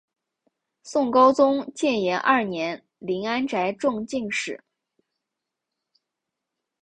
宋高宗建炎二年林安宅中进士。